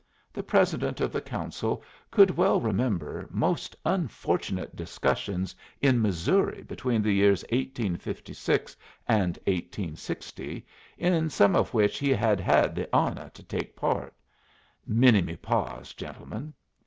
The President of the Council could well remember most unfortunate discussions in Missouri between the years 1856 and 1860, in some of which he had had the honor to take part minima pars, gentlemen!